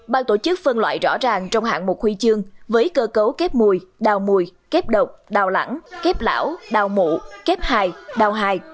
ban tổ chức phân loại rõ ràng trong hạng mục huy chương với cơ cấu kép mùi đào mùi kép độc đào lẳng kép lão đào mụ kép hài đào hài